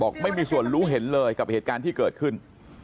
ไม่มีส่วนรู้เห็นเลยกับเหตุการณ์ที่เกิดขึ้น